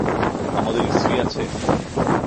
আমাদের স্ত্রী আছে?